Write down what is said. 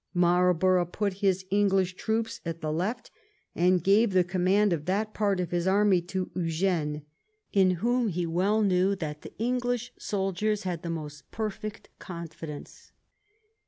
Marlborough put his English troops at the left and gave the command of that part of his army to Eugene, in whom he well knew that the English sol diers had the most perfect confidence.